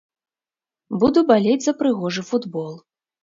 Буду балець за прыгожы футбол.